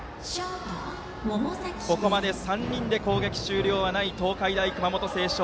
ここまで３人で攻撃終了はない東海大熊本星翔。